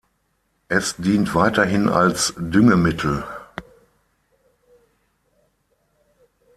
Es dient weiterhin als Düngemittel.